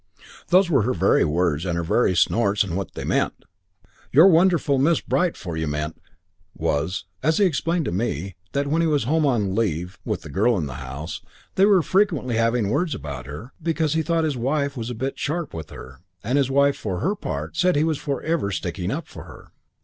"Those were her very words and her very snorts and what they meant what 'Your wonderful Miss Bright for you' meant was, as he explained to me, that when he was home on leave, with the girl in the house, they were frequently having words about her, because he thought his wife was a bit sharp with her, and his wife, for her part, said he was forever sticking up for her.